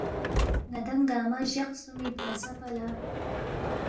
ن٘دانگ گنگمہ جق خسُومی برانگسہ پا لہ